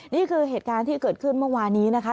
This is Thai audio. นี่คือเหตุการณ์ที่เกิดขึ้นเมื่อวานี้นะคะ